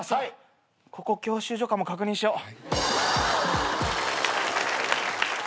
ここ教習所かも確認しよう。